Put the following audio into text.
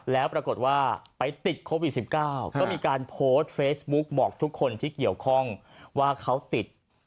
แล้วปรากฏว่าไปติดโควิด๑๙ก็มีการโพสต์เฟซบุ๊กบอกทุกคนที่เกี่ยวข้องว่าเขาติด